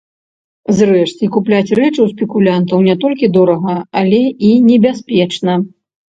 Зрэшты, купляць рэчы ў спекулянтаў не толькі дорага, але і небяспечна.